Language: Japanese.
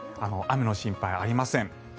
雨の心配はありません。